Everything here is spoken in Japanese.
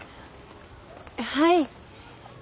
はい。